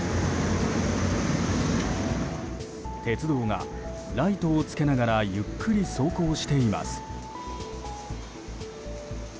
鉄道がライトをつけながらゆっくり走行しています。